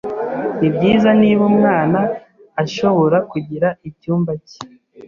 Nibyiza niba umwana ashobora kugira icyumba cye.